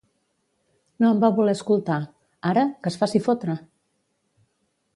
No em va voler escoltar; ara, que es faci fotre!